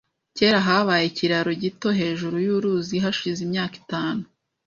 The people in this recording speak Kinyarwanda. Kera habaye ikiraro gito hejuru yuruzi hashize imyaka itanu.